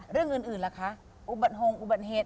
เรื่องอื่นล่ะคะอุบัติหงอุบัติเหตุ